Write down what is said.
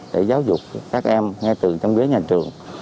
để giáo dục các em ngay từ trong ghế nhà trường